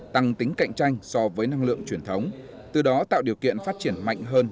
tăng tính cạnh tranh so với năng lượng truyền thống từ đó tạo điều kiện phát triển mạnh hơn